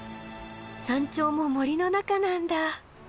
山頂も森の中なんだあ。